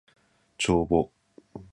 帳簿